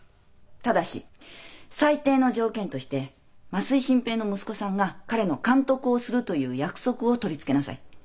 ただし最低の条件として増井新平の息子さんが彼の監督をするという約束を取り付けなさい。